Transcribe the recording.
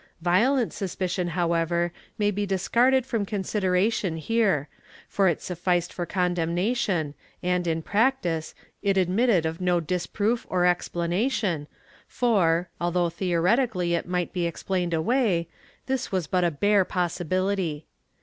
Vio lent suspicion, however, may be discarded from consideration here, for it sufficed for condemnation and, in practice, it admitted of no disproof or explanation for, although theoretically it might be explained away, this was but a bare possibility.